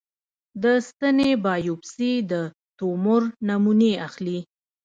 د ستنې بایوپسي د تومور نمونې اخلي.